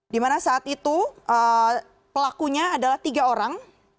dimana saat itu pelakunya adalah tiga orang